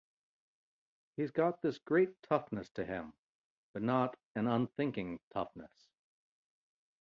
He's got this great toughness to him but not an unthinking toughness.